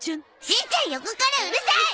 しんちゃん横からうるさい！